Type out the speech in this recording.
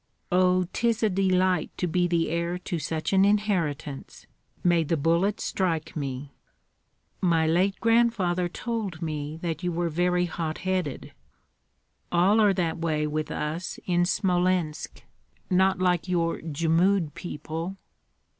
Oh, 'tis a delight to be the heir to such an inheritance, may the bullets strike me!" "My late grandfather told me that you were very hot headed." "All are that way with us in Smolensk; not like your Jmud people.